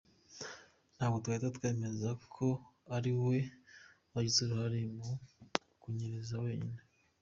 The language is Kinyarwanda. Ntabwo twahita twemeza ko ari we wagize uruhare mu kuyanyereza wenyine.